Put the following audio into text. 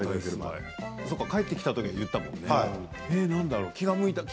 帰ってきたときは言っていたもんね。